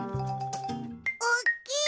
おっきい。